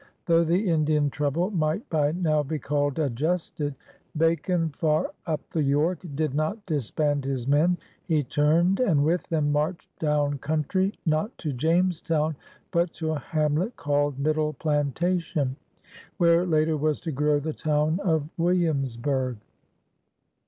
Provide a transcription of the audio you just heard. Though the Indian trouble might by now be called adjusted, Bacon, far up the York, did not disband his men. He turned and with them marched down country, not to Jamestown, but to a hamlet called Middle Plantation, where later was to grow the town of Williamsburg.